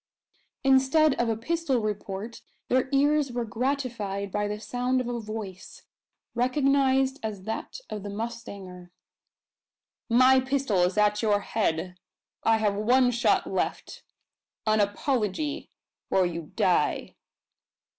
Instead of a pistol report their ears were gratified by the sound of a voice, recognised as that of the mustanger. "My pistol is at your head! I have one shot left an apology, or you die!"